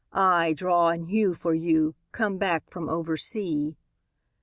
—aye, draw and hew for you, Come back from oversea."